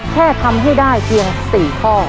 แค่ทำให้ได้เพียง๔ข้อ